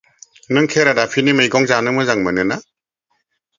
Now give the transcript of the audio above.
नों खेरादाफिनि मैगं जानो मोजां मोनो ना?